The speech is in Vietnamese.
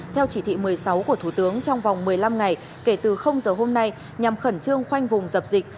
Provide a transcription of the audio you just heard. theo chỉ thị một mươi sáu của thủ tướng trong vòng một mươi năm ngày kể từ giờ hôm nay nhằm khẩn trương khoanh vùng dập dịch